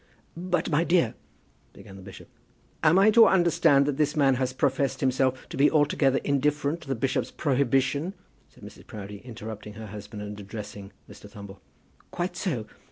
"But, my dear, " began the bishop. "Am I to understand that this man has professed himself to be altogether indifferent to the bishop's prohibition?" said Mrs. Proudie, interrupting her husband and addressing Mr. Thumble. "Quite so.